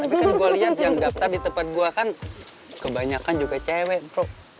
tapi kan gua lihat yang daftar di tempat gua kan kebanyakan juga cewek bro